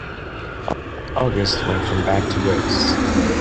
August went from bad to worse.